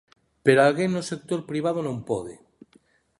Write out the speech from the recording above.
Pero alguén no sector privado non pode.